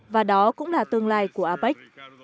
và đó cũng là tương lai của apec